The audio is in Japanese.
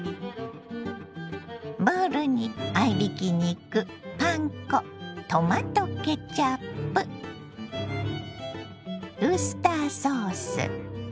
ボウルに合いびき肉パン粉トマトケチャップウスターソース